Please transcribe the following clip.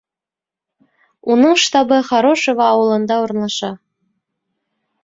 Уның штабы Хорошево ауылында урынлаша.